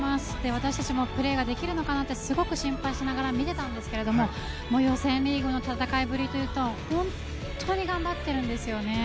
私たちもプレーできるのかなってすごく心配しながら見てたんですが予選リーグの戦いぶりは本当に頑張ってるんですよね。